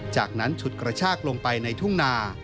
จากนั้นฉุดกระชากลงไปในทุ่งนา